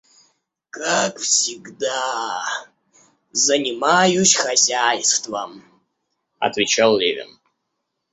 Как всегда, занимаюсь хозяйством, — отвечал Левин.